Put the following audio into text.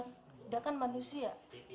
nggak kan manusia